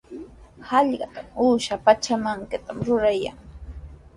Hallqatraw uusha pachamankatami rurayan.